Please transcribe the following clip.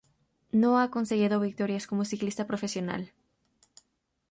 No ha conseguido victorias como ciclista profesional.